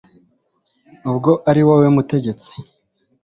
ubwo ari wowe mutegetsi